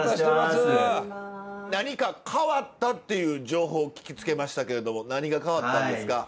何か変わったっていう情報聞きつけましたけれども何が変わったんですか？